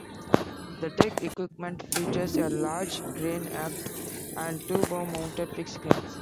The deck equipment features a large crane aft and two bow-mounted fixed cranes.